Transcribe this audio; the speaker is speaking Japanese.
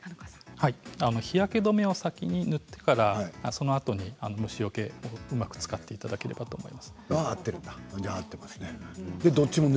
日焼け止めを先に塗ってから、そのあとに虫よけをうまく使っていただければと思います。